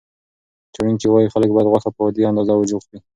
څېړونکي وايي خلک باید غوښه په عادي اندازه وخوري.